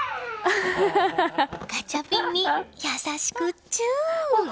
ガチャピンに優しくチュー！